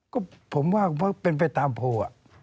ก็ผมว่าเพราะเป็นไปตามโพล